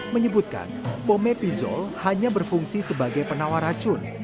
menyebutkan pomepizol hanya berfungsi sebagai penawar racun